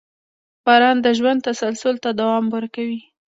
• باران د ژوند تسلسل ته دوام ورکوي.